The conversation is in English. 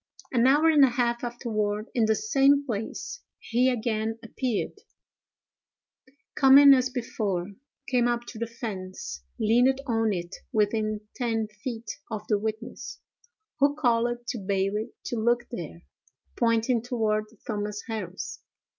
An hour and a half afterward, in the same place, he again appeared, coming as before; came up to the fence; leaned on it within ten feet of the witness, who called to Bailey to look there (pointing toward Thomas Harris).